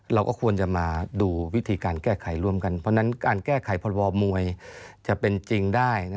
เราก็ควรจะมาดูวิธีการแก้ไขร่วมกันเพราะฉะนั้นการแก้ไขพรบมวยจะเป็นจริงได้